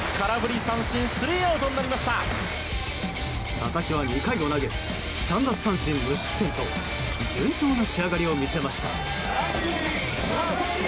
佐々木は２回を投げ３奪三振、無失点と順調な仕上がりを見せました。